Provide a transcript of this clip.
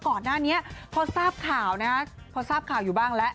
ก่อนหน้านี้พอทราบข่าวนะพอทราบข่าวอยู่บ้างแล้ว